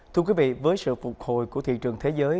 thưa quý vị với sự phục hồi của thị trường thế giới